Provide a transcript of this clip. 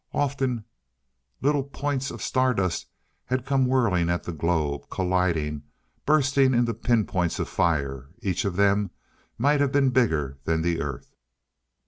Often little points of star dust had come whirling at the globe colliding, bursting into pin points of fire. Each of them might have been bigger than the Earth.